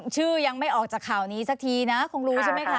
ชื่อยังไม่ออกจากข่าวนี้สักทีนะคงรู้ใช่ไหมคะ